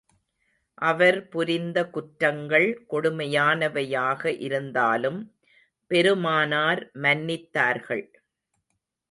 அவர் புரிந்த குற்றங்கள் கொடுமையானவையாக இருந்தாலும், பெருமானார் மன்னித்தார்கள்.